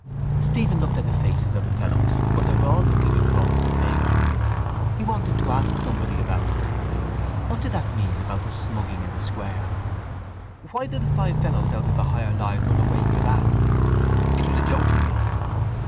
Stephen looked at the faces of the fellows but they were all looking across the playground. He wanted to ask somebody about it. What did that mean about the smugging in the square? Why did the five fellows out of the higher line run away for that? It was a joke, he thought.